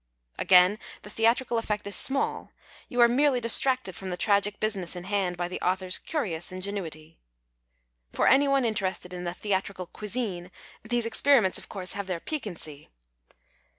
Again the theatrical effect is small ; you are merely distracted from tiie tragic business in hand by the author's curious ingenuity. For any one interested in the theatrical cwi.vi; je these experiments of course, have their piquancy.